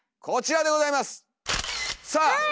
こちらでございます！さあ！